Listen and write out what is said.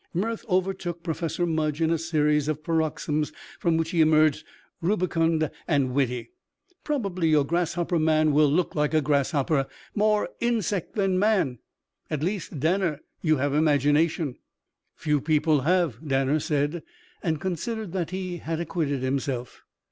Mirth overtook Professor Mudge in a series of paroxysms from which he emerged rubicund and witty. "Probably your grasshopper man will look like a grasshopper more insect than man. At least, Danner, you have imagination." "Few people have," Danner said, and considered that he had acquitted himself.